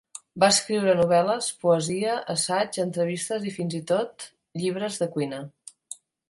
Va escriure novel·les, poesia, assaig, entrevistes i fins i tot llibres de cuina.